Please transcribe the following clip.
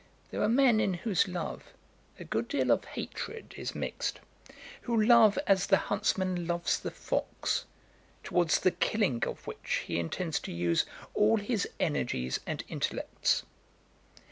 There are men in whose love a good deal of hatred is mixed; who love as the huntsman loves the fox, towards the killing of which he intends to use all his energies and intellects.